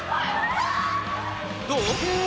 どう？